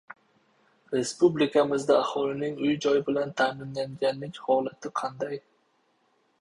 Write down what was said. Respublikamizda aholining uy-joy bilan ta’minlanganlik holati qanday?